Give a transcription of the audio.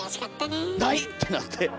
「ない！」ってなって。